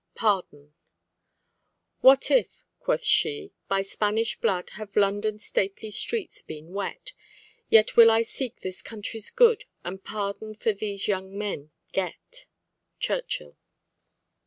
PARDON "What if;' quoth she, 'by Spanish blood Have London's stately streets been wet, Yet will I seek this country's good And pardon for these young men get.'" Churchill.